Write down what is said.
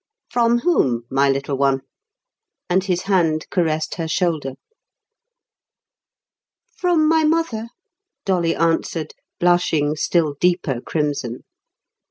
"From whom, my little one?" And his hand caressed her shoulder. "From my mother," Dolly answered, blushing still deeper crimson.